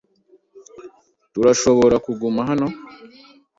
Turashobora kuguma hano?